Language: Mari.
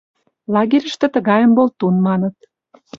Лагерьыште тыгайым болтун маныт.